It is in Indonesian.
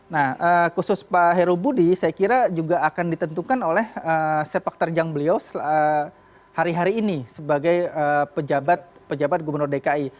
nah khusus pak heru budi saya kira juga akan ditentukan oleh sepak terjang beliau hari hari ini sebagai pejabat gubernur dki